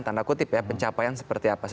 tanda kutip ya pencapaian seperti apa